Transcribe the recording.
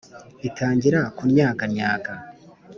itangira kunnyagannyaga